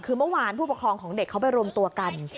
คือเมื่อวานผู้ปกครองของเด็กเขาไปรวมตัวกัน